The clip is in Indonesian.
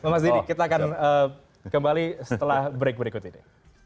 mas didi kita akan kembali setelah break berikut ini